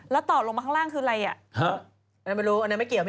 แล้วตอบลงมาข้างล่างคืออะไรอ่ะ